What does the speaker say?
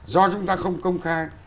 do chúng ta không công khai